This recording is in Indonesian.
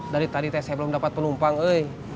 dari tadi teh saya belum dapat penumpang hei